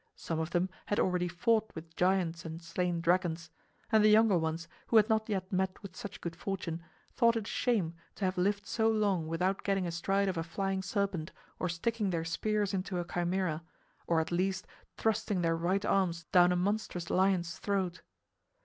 Some of them had already fought with giants and slain dragons; and the younger ones, who had not yet met with such good fortune, thought it a shame to have lived so long without getting astride of a flying serpent or sticking their spears into a Chimæra, or at least thrusting their right arms down a monstrous lion's throat.